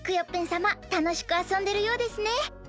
さまたのしくあそんでるようですね。